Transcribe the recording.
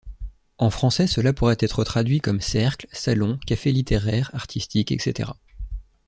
En français cela pourrait être traduit comme Cercle, salon, café littéraire, artistique, etc.